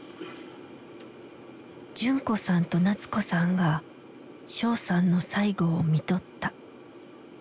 純子さんと夏子さんがショウさんの最期をみとった。